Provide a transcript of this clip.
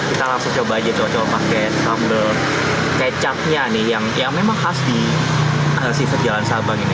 kita langsung coba aja coba coba pakai sambal kecapnya nih yang memang khas di seafood jalan sabang ini